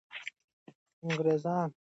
انګریزان د دې جګړې په اړه نه پوهېږي.